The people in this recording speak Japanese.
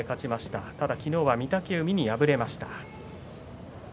ただ昨日、御嶽海に敗れました。